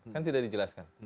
kan tidak dijelaskan